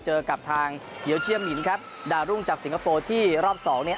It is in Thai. เจอกับทางเฮียวเชียร์มินครับดาวรุ่งจากสิงคโปร์ที่รอบสองเนี่ย